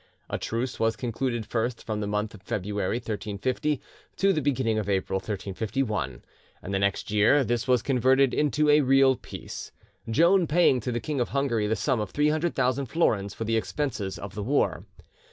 A truce was concluded first from the month of February 1350 to the beginning of April 1351, and the next year this was converted into a real peace, Joan paying to the King of Hungary the sum of 300,000 florins for the expenses of the war.